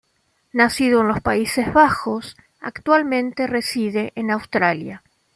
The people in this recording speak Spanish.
Nacido en los Países Bajos, actualmente reside en Australia.